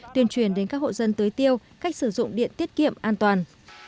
tuyên truyền đến các hộ dân tưới tiêu cách sử dụng điện tiết kiệm an toàn